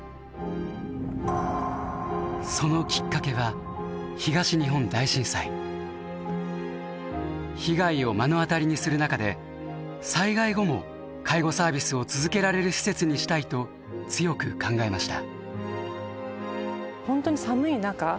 そのきっかけは被害を目の当たりにする中で災害後も介護サービスを続けられる施設にしたいと強く考えました。